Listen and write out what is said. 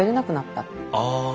ああ。